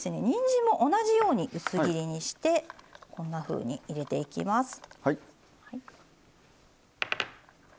にんじんも同じように薄切りにしてこんなふうに入れていきます。